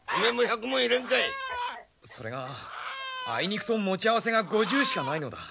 それがあいにくと持ち合わせが５０しかないのだ。